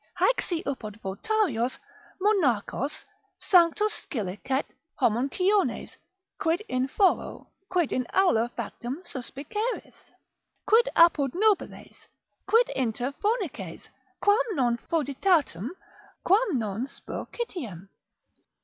Haec si apud votarios, monachos, sanctos scilicet homunciones, quid in foro, quid in aula factum suspiceris? quid apud nobiles, quid inter fornices, quam non foeditatem, quam non spurcitiem?